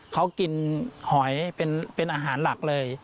เขากินหอยเป็นอาหารหลักเลย